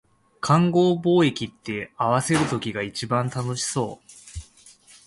勘合貿易って、合わせる時が一番楽しそう